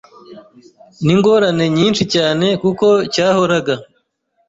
n’ingorane nyinshi cyane kuko cyahoraga